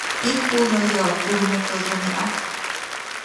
Иргъулраяв, хӀурматла жамигӀят?